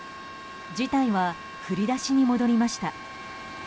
事態は振り出しに戻りました。